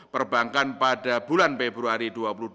perbankan pada bulan februari dua ribu dua puluh